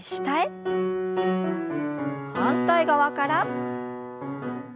反対側から。